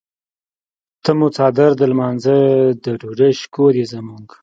ته مو څادر د لمانځۀ د ډوډۍ شکور یې زموږ.